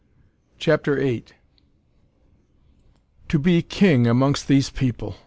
CHAPTER VIII To be King amongst these people!